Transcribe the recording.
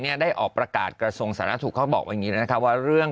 ได้ออกประกาศกระทรวงสาธารณสุขเขาบอกอย่างนี้นะคะว่าเรื่อง